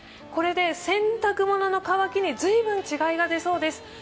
これで洗濯物の乾きに随分違いが出そうです。